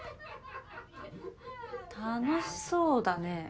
・楽しそうだね。